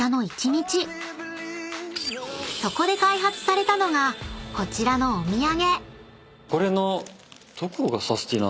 ［そこで開発されたのがこちらのお土産］